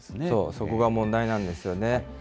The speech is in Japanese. そう、そこが問題なんですよね。